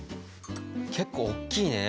結構おっきいね。